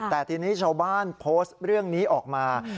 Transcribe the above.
แต่ทีนี้ชาวบ้านโพสต์เรื่องนี้ออกมา